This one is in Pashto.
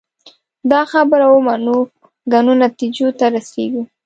دا خبره ومنو ګڼو نتیجو ته رسېږو